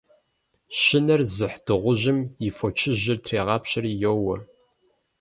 Щынэр зыхь дыгъужьым и фочыжьыр трегъапщэри йоуэ.